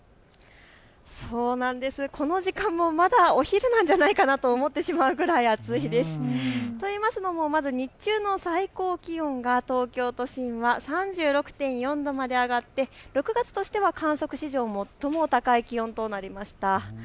この時間もまだお昼なんじゃないかなと思ってしまうくらい暑いです。といいますのもまず日中の最高気温は東京都心は３６．４度まで上がって６月としては観測史上、最も高い気温となりました。